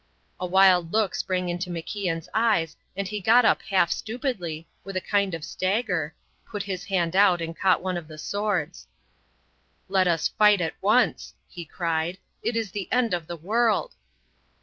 A wild look sprang into MacIan's eyes and he got up half stupidly, with a kind of stagger, put his hand out and caught one of the swords. "Let us fight at once," he cried, "it is the end of the world."